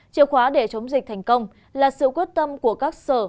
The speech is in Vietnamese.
chiều khóa để chống dịch thành công là sự quyết tâm của các sở